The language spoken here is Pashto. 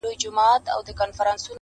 زما زنده گي وخوړه زې وخوړم.